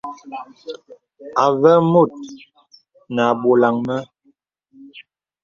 Avə mùt nə à bɔlaŋ mə.